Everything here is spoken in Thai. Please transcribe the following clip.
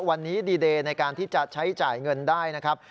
วันนี้ดีเดย์ในการที่จะใช้จ่ายเงินได้นะครับ